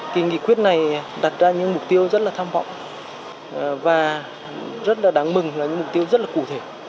cái nghị quyết này đặt ra những mục tiêu rất là tham vọng và rất là đáng mừng là những mục tiêu rất là cụ thể